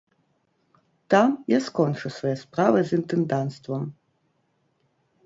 Там я скончу свае справы з інтэнданцтвам.